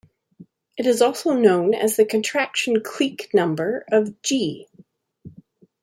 It is also known as the contraction clique number of "G".